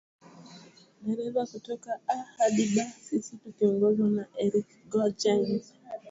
dereva kutoka A hadi B sisi tukiongozwa na Eric Gorgens